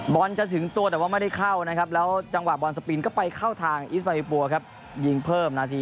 อบร้อนจะถึงตัวแต่ว่าไม่ได้เข้านะครับแล้วจังหว่านสปิ้นพิกัดไปเข้าทางมายูเปอร์ครับยิ่งเพิ่มนาทีที่